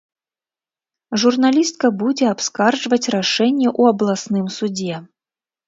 Журналістка будзе абскарджваць рашэнне ў абласным судзе.